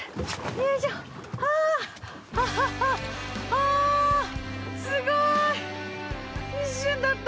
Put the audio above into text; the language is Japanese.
はぁ、すごい一瞬だった。